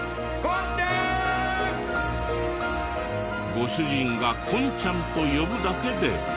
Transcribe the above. ご主人が「コンちゃん」と呼ぶだけで。